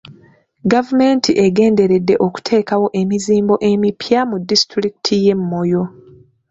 Gavumenti egenderera okuteekawo emizimbo emipya mu disitulikiti y'e Moyo.